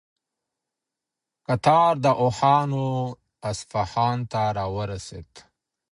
کتار د اوښانو اصفهان ته راورسېد.